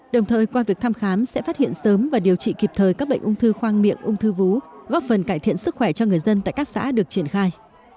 đồng thời qua việc thăm khám sẽ phát hiện sớm và điều trị kịp thời các bệnh ung thư khoang miệng ung thư vú góp phần cải thiện sức khỏe cho người dân tại các xã được triển khai